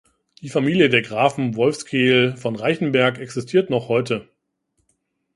Die Familie der Grafen Wolffskeel von Reichenberg existiert noch heute.